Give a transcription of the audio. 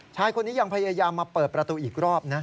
ชายคนนี้ยังพยายามมาเปิดประตูอีกรอบนะ